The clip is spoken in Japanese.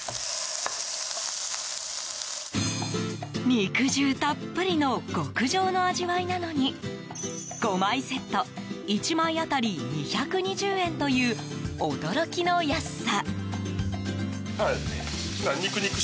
肉汁たっぷりの極上の味わいなのに５枚セット１枚当たり２２０円という驚きの安さ。